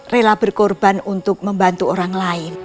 rela berkorban untuk membantu orang lain